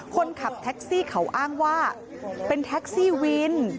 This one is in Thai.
คนขับแท็กซี่เขาอ้างว่าเป็นแท็กซี่วิน